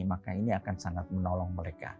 maka ini akan sangat menolong mereka